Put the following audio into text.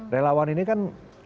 relawan ini kan